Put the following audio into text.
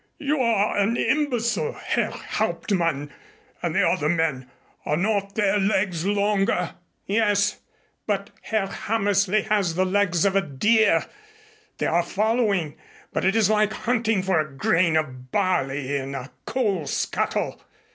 You are an imbecile, Herr Hauptmann. And the other men, are not their legs longer?" "Yes, but Herr Hammersley has the legs of a deer. They are following, but it is like hunting for a grain of barley in a coal scuttle.